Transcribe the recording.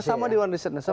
bersama dewan riset nasional